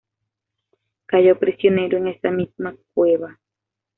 Cayó prisionero en esa misma cueva.